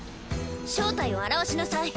正体を現しなさい。